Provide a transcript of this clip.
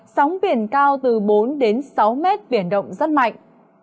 sóng biển cao từ bốn đến sáu mét biển động rất mạnh